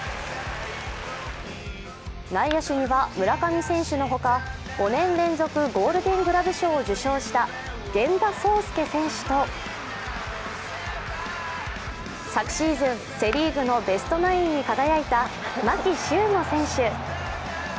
内野手には、村上選手の他５年連続ゴールデン・グラブ賞を受賞した源田壮亮選手と昨シーズン、セ・リーグのベストナインに輝いた牧秀悟選手。